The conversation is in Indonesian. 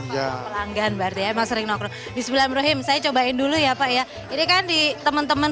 ya pelanggan berdiam sering nongkrong di sembilan sembilan saya cobain dulu ya pak ya ini kan di teman teman